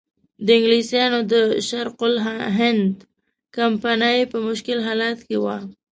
انګلیسانو د شرق الهند کمپنۍ په مشکل حالت کې وه.